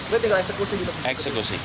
kita tinggal eksekusi